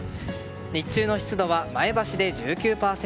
日中の湿度は前橋で１９％